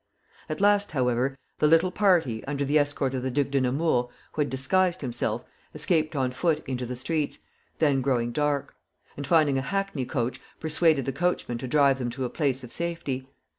At last, however, the little party, under the escort of the Duc de Nemours, who had disguised himself, escaped on foot into the streets, then growing dark; and finding a hackney coach, persuaded the coachman to drive them to a place of safety.